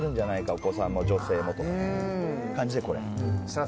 お子さんも女性もという感じでこれ。